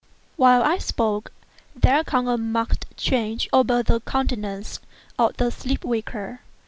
While I spoke, there came a marked change over the countenance of the sleep waker.